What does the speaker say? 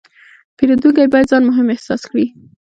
پیرودونکی باید ځان مهم احساس کړي.